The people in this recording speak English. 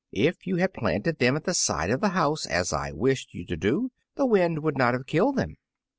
If you had planted them at the side of the house, as I wished you to, the wind would not have killed them."